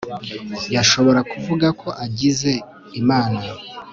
yashobora kuvuga ko agize imana